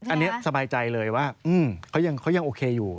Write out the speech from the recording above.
อันนี้สบายใจเลยว่าเขายังโอเคอยู่